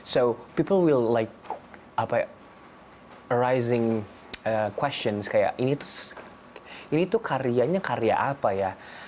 jadi orang akan menetapkan pertanyaan seperti ini tuh karyanya karya apa ya